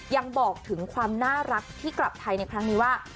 ยังบอกถึงความน่ารักที่กลับไทยในครั้งนี้ว่า